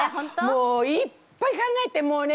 もういっぱい考えてもうね